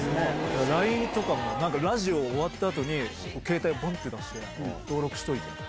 ＬＩＮＥとかも、なんかラジオ終わったあとに、携帯ぼんって出して、登録しといて。